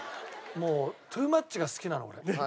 もうトゥーマッチが好きなの俺。